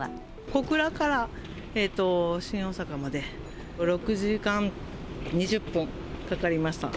小倉から新大阪まで、６時間２０分かかりました。